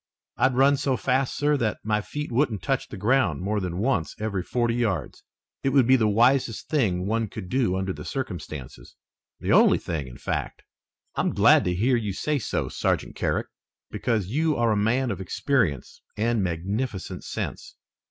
I'd run so fast, sir, that my feet wouldn't touch the ground more than once every forty yards. It would be the wisest thing one could do under the circumstances, the only thing, in fact." "I'm glad to hear you say so, Sergeant Carrick, because you are a man of experience and magnificent sense.